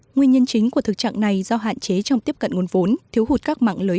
nguyên nhân chính của thực trạng này do hạn chế trong tiếp cận nguồn vốn thiếu hụt các mạng lưới